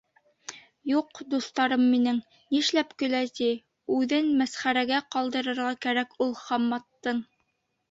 — Юҡ, дуҫтарым минең, нишләп көлә ти, үҙен мәсхәрәгә ҡалдырырға кәрәк ул Хамматтың.